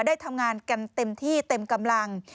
ได้ทำงานกันเต็มที่เต็มกำลัง